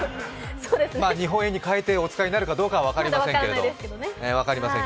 日本円に替えてお使いになるかどうかは分かりませんけど。